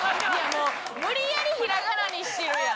もう無理やりひらがなにしてるやん。